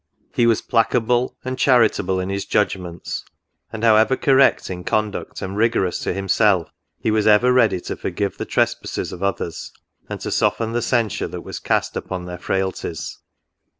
He was placable, and NOTES. 65 charitable in his judgments ; and, however correct in con duct and rigorous to himself, he was ever ready to forgive the trespasses of others, and to soften the censure that was cast upon their frailties.